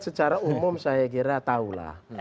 secara umum saya kira tahu lah